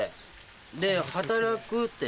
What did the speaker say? で働くって。